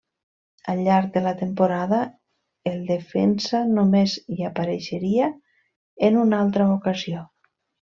Al llarg de la temporada, el defensa només hi apareixeria en una altra ocasió.